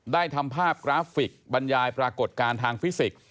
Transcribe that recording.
ทำภาพกราฟิกบรรยายปรากฏการณ์ทางฟิสิกส์